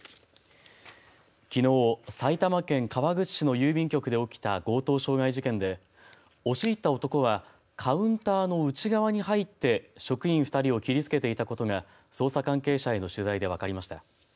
きのう埼玉県川口市の郵便局で起きた強盗傷害事件で押し入った男はカウンターの内側に入って職員２人を切りつけていたことが捜査関係者への取材で分かりました。